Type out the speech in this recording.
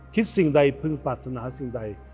สิ่งใดพึงปรารถนาสิ่งใด